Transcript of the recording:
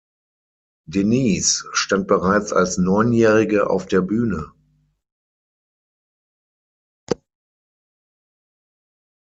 Denise stand bereits als Neunjährige auf der Bühne.